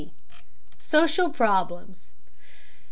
SOCIAL PROBLEMS.